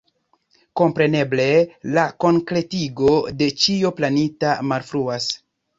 Kompreneble la konkretigo de ĉio planita malfruas.